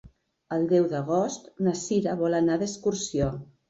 El deu d'agost na Cira vol anar d'excursió.